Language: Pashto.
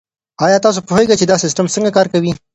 آیا تاسو پوهیږئ چي دا سیستم څنګه کار کوي؟